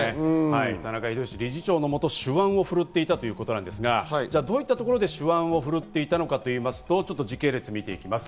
田中理事長の下、手腕を振るっていたということですが、どういうところで手腕を振るっていたかといいますと、時系列を見ます。